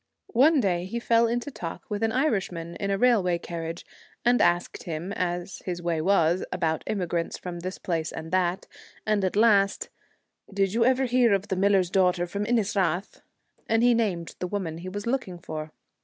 One day he fell into talk with an Irishman in a railway carriage, 53 and asked him, as his way was, about emigrants from this place and that, and at last, ' Did you ever hear of the miller's daughter from Innis Rath ?' and he named the woman he was looking for.